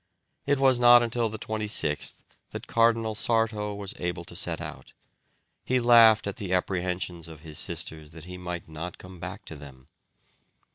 It was not until the 26th that Cardinal Sarto was able to set out. He laughed at the apprehensions of his sisters that he might not come back to them.